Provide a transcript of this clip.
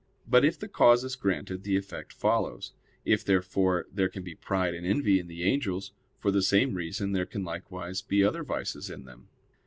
But, if the cause is granted, the effect follows. If, therefore, there can be pride and envy in the angels, for the same reason there can likewise be other vices in them.